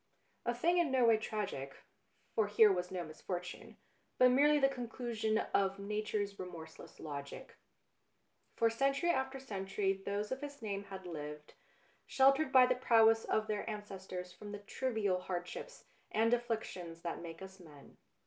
A thing in no way tragic, for here was no misfortune, but merely the conclusion of Nature's remorseless logic. For century after century those of his name had lived, sheltered by the prowess of their ancestors from the trivial hardships and afflictions that make us men.